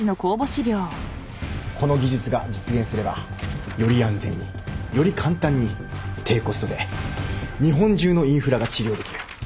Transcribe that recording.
この技術が実現すればより安全により簡単に低コストで日本中のインフラが治療できる。